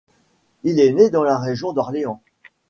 Il est né dans la région d’Orléans.